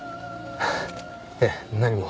ええ何も。